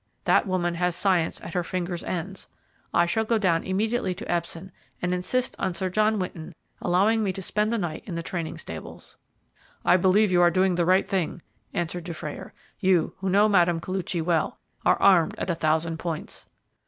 That woman has science at her fingers' ends. I shall go down immediately to Epsom and insist on Sir John Winton allowing me to spend the night in the training stables." "I believe you are doing the right thing," answered Dufrayer. "You, who know Mme. Koluchy well, are armed at a thousand points."